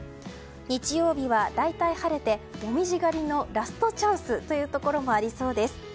日曜日は、大体晴れて紅葉狩りのラストチャンスというところもありそうです。